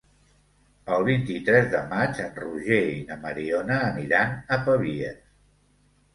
El vint-i-tres de maig en Roger i na Mariona aniran a Pavies.